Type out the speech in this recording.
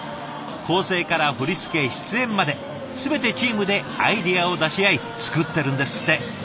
構成から振り付け出演まで全てチームでアイデアを出し合い作ってるんですって。